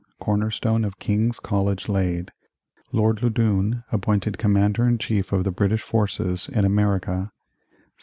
Corner stone of King's College laid Lord Loudoun appointed Commander in Chief of the British forces in America 1759.